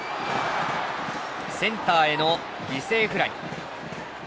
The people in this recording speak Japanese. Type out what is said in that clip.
センターへの犠牲フライ。